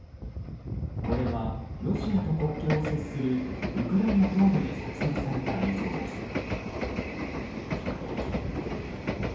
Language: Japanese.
これはロシアと国境を接するウクライナ東部で撮影された映像です。